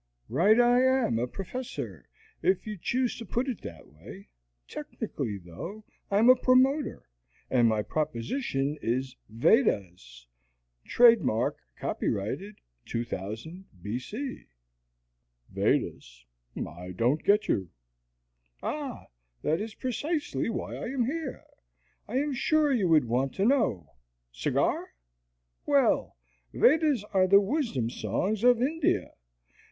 "Right. I am a professor, if you choose to put it that way. Technically, though, I'm a promoter, and my proposition is VEDAS (Trade mark copyrighted 2000 B. C.)." "Vedas? I still don't get you." "Ah, that is precisely why I am here. I was sure you would want to know Cigar? Well, Vedas are the wisdom songs of India.